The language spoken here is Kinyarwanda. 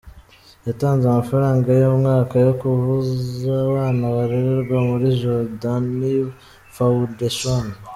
Yatanze amafaranga y’umwaka yo kuvuza abana barererwa muri jodani Fawundeshoni.